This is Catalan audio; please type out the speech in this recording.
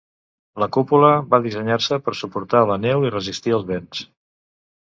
La cúpula va dissenyar-se per suportar la neu i resistir els vents.